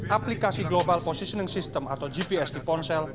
aplikasi global positioning system atau gps di ponsel